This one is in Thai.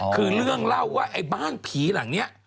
คือเรื่องเล่าว่าไอ้บ้านผีหลังนี้